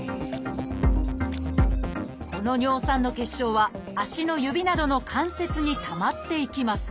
この尿酸の結晶は足の指などの関節にたまっていきます。